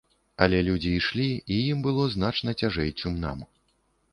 Але людзі ішлі, і ім было значна цяжэй, чым нам.